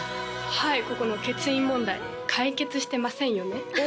はいここの欠員問題解決してませんよね？